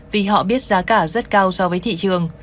vì họ biết giá cả rất cao so với thị trường